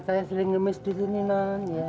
saya sering ngemis disini nan ya